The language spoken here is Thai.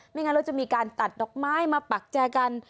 งั้นเราจะมีการตัดดอกไม้มาปักแจกัน